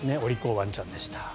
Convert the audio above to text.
ワンちゃんでした。